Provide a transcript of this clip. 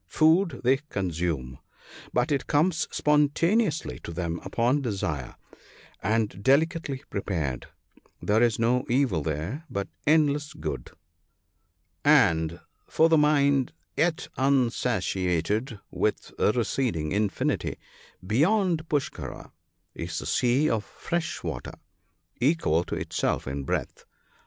Food they consume, but it comes spontaneously to them upon desire, and delicately prepared. There is no evil there, but endless good. " And (for the mind yet unsatiated with receding infinity) beyond Puskkara is the sea of fresh water, equal to itself in breadth.